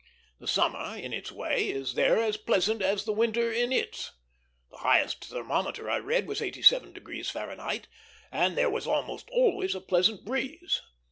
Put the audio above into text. The summer, in its way, is there as pleasant as the winter in its. The highest thermometer I read was 87° Fahrenheit, and there was almost always a pleasant breeze.